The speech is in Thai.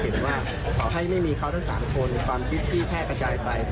ว่าขอให้ไม่มีเขาทั้ง๓คนความคิดที่แพร่กระจายไป